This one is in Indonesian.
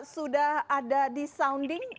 sudah ada di sounding